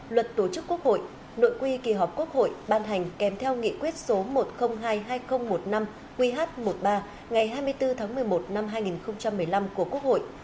luật tổ chức quốc hội nội quy kỳ họp quốc hội ban hành kèm theo nghị quyết số một trăm linh hai hai nghìn một mươi năm qh một mươi ba ngày hai mươi bốn tháng một mươi một năm hai nghìn một mươi năm của quốc hội